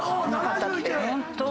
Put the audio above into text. ホント？